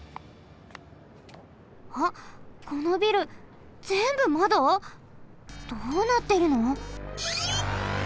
あっこのビルぜんぶまど！？どうなってるの？